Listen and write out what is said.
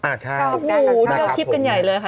อ่าใช่ค่ะฮู้เที่ยวทิพย์กันใหญ่เลยค่ะ